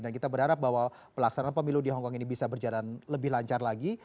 dan kita berharap bahwa pelaksanaan pemilu di hongkong ini bisa berjalan lebih lancar lagi